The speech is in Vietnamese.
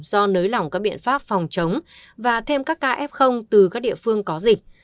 do nới lỏng các biện pháp phòng chống và thêm các ca f từ các địa phương có dịch